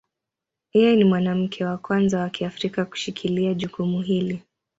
Yeye ni mwanamke wa kwanza wa Kiafrika kushikilia jukumu hili.